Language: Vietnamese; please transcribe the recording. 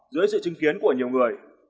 dưới sự chứng kiến của nhiều người